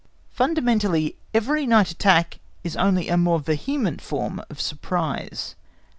Fundamentally every night attack is only a more vehement form of surprise.